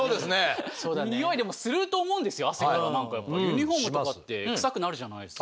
ユニフォームとかって臭くなるじゃないですか。